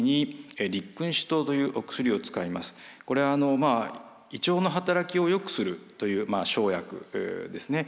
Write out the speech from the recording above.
これは胃腸の働きをよくするという生薬ですね。